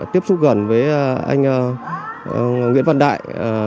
tiếp xúc gần với anh nguyễn văn đại